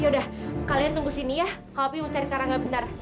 yaudah kalian tunggu sini ya kak opi mau cari karangga bentar